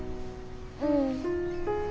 うん。